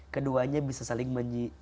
keduanya bisa berubah